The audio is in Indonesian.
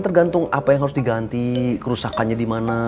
tergantung apa yang harus diganti kerusakannya di mana